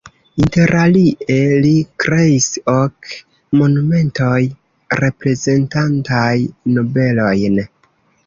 Interalie li kreis ok monumentoj reprezentantaj nobelojn.